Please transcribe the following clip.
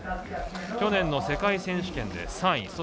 去年の世界選手権で３位。